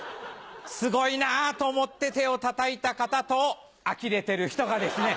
すごいなと思って手をたたいた方とあきれてる人がですね